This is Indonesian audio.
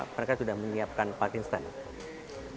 mereka sudah menyiapkan parking stand